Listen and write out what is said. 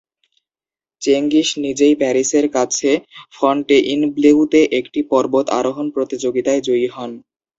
Genghis নিজেই প্যারিসের কাছে ফন্টেইনব্লেউতে একটি পর্বত আরোহণ প্রতিযোগিতায় জয়ী হন।